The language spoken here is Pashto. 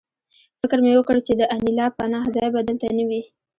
فکر مې وکړ چې د انیلا پناه ځای به دلته نه وي